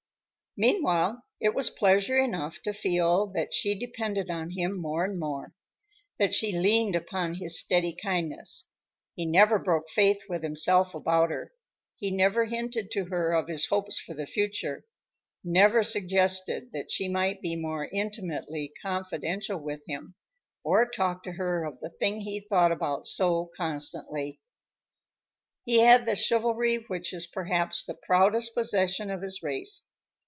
Meanwhile, it was pleasure enough to feel that she depended on him more and more, that she leaned upon his steady kindness. He never broke faith with himself about her; he never hinted to her of his hopes for the future, never suggested that she might be more intimately confidential with him, or talked to her of the thing he thought about so constantly. He had the chivalry which is perhaps the proudest possession of his race.